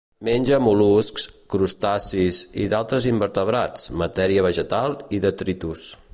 Menja mol·luscs, crustacis i d'altres invertebrats, matèria vegetal i detritus.